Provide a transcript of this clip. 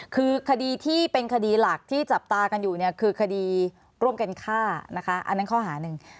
คือคดีที่เป็นคดีหลักที่จับตากันอยู่เนี่ยคือคดีร่วมกันฆ่านะคะอันนั้นข้อหาหนึ่ง